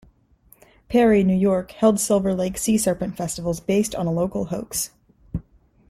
Perry, New York, held Silver Lake Sea Serpent Festivals based on a local hoax.